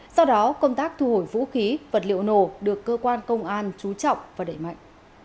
do đó công tác thu hồi vũ khí vật liệu nổ được cơ quan công an trú trọng và đẩy mạnh